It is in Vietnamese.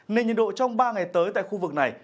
nên nhiệt độ trong ba ngày tới tại khu vực này